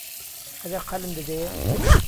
ئهگهر قهلم دهدهیێ